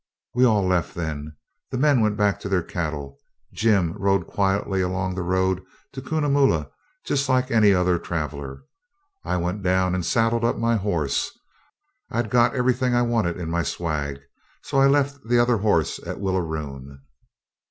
We all left then. The men went back to their cattle. Jim rode quietly along the road to Cunnamulla just like any other traveller. I went down and saddled up my horse. I'd got everything I wanted in my swag, so I'd left the other horse at Willaroon.